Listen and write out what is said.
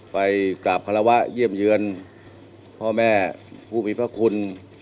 ไปกราบคารวะเยี่ยมเยือนพ่อแม่ผู้มีพระคุณ